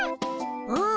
うん。